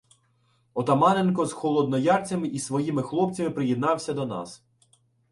Отаманенко з холодноярцями і своїми хлопцями приєднався до нас.